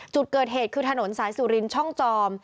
จุดเกิดเหตุคือถนนสายสุรินช่องจอม